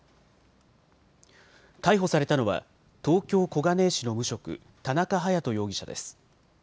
逮捕されたのは東京小金井市の無職、田中隼人容疑者です。